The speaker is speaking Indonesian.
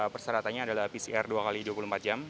perseratannya adalah pcr dua x dua puluh empat jam